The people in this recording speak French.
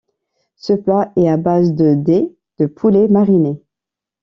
Ce plat est à base de dés de poulet marinés.